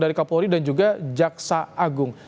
dari kapolri dan juga jaksa agung